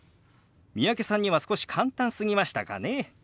三宅さんには少し簡単すぎましたかね？